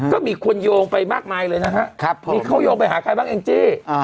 ก็มีคนโยงไปมากมายเลยนะฮะมีเขาโยงไปหาใครบ้างแองจี้